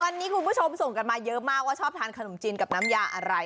วันนี้คุณผู้ชมส่งกันมาเยอะมากว่าชอบทานขนมจีนกับน้ำยาอะไร